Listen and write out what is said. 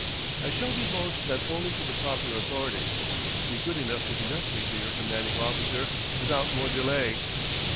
"I shall divulge that only to the proper authorities. Be good enough to conduct me to your commanding officer without more delay."